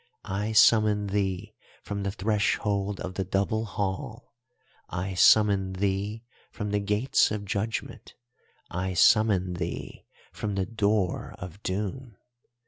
"'I summon thee from the threshold of the Double Hall. "'I summon thee from the Gates of Judgment. "'I summon thee from the door of Doom.